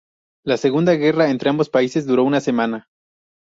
La segunda guerra entre ambos países duró una semana.